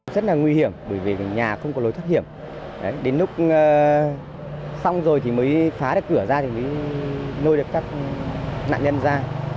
rất là nguy hiểm bởi vì nhà không có lối thoát hiểm đến lúc xong rồi thì mới phá được cửa ra thì mới nôi được các nạn nhân ra